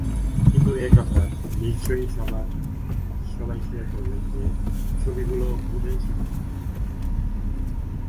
কিন্তু এ কথা নিশ্চয়ই সবাই স্বীকার করবেন যে ছবিগুলো ভূতের ছবি নয়।